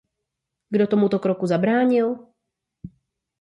Kdo tomuto kroku zabránil?